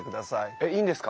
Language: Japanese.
えっいいんですか？